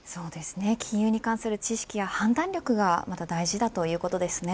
金融に関する知識や判断力が大事だということですね。